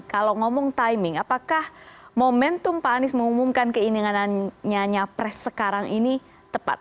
kalau ngomong timing apakah momentum pak anies mengumumkan keinginannya pres sekarang ini tepat